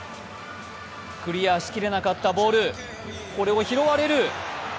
クリアしきれなかったボール、これを拾われる。